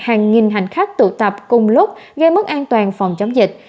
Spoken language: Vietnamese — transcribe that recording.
hàng nghìn hành khách tụ tập cùng lúc gây mất an toàn phòng chống dịch